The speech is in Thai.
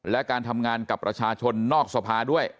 และการทำงานกับประชาชนนอกสภาด้วย